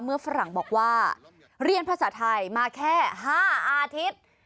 ฝรั่งบอกว่าเรียนภาษาไทยมาแค่๕อาทิตย์